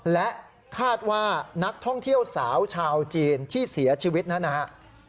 และคาดว่านักท่องเที่ยวสาวชาวจีนที่เสียชีวิตนั้นนะครับ